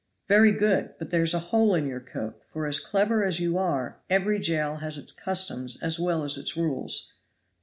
"Very good! but there's a hole in your coat; for, as clever as you are, every jail has its customs as well as its rules."